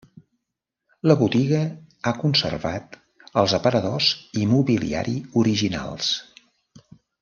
La botiga ha conservat els aparadors i mobiliari originals.